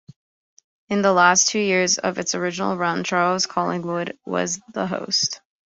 In the last two years of its original run, Charles Collingwood was the host.